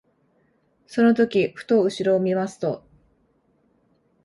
その時ふと後ろを見ますと、